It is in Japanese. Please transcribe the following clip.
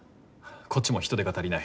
こっちも人手が足りない。